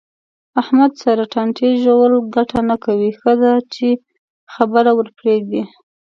احمد سره ټانټې ژول گټه نه کوي. ښه ده چې خبره ورپرېږدې.